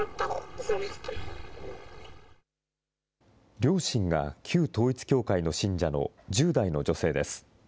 両親が旧統一教会の信者の１０代の女性です。